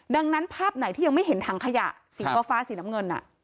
ดังนั้นภาพไหนที่ยังไม่เห็นถังขยะสีฟ้าสีน้ำเงิน